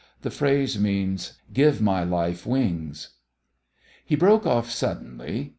The phrase means, "Give my life wings." He broke off suddenly.